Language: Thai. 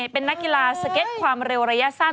เป็นนักกีฬาสเก็ตความเร็วระยะสั้น